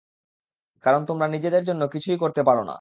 কারণ তোমরা নিজেদের জন্য কিছুই করতে পারো না।